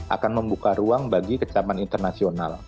akan membuka ruang bagi kecaman internasional